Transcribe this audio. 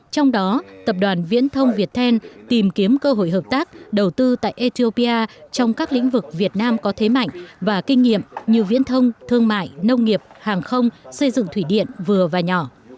trong đó tập đoàn viễn thông việt then tìm kiếm cơ hội hợp tác đầu tư tại ethiopia trong các lĩnh vực việt nam có thế mạnh và kinh nghiệm như viễn thông thương mại nông nghiệp hàng không xây dựng thủy điện vừa và nhỏ